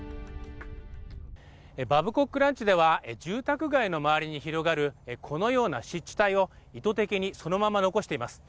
バブコックランチでは住宅街の周りに広がるこのような湿地帯を意図的にそのまま残しています。